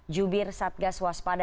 jubir satgas waspada